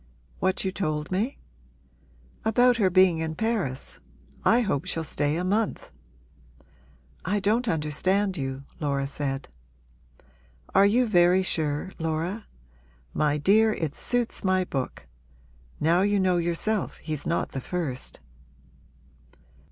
'What you told me?' 'About her being in Paris. I hope she'll stay a month!' 'I don't understand you,' Laura said. 'Are you very sure, Laura? My dear, it suits my book! Now you know yourself he's not the first.'